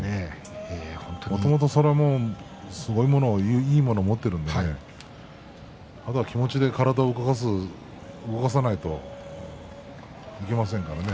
もともと、すごいものいいものを持っているのであとは気持ちで体を動かさないといけませんからね。